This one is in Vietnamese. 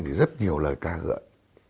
thì rất nhiều lời ca gợi